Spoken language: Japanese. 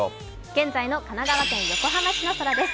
現在の神奈川県横浜市の空です。